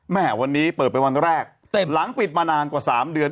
แม่วันนี้เปิดไปวันแรกแต่หลังปิดมานานกว่า๓เดือน